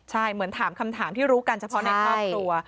ใช่เหมือนถามคำถามที่รู้กันเฉพาะในครอบครัว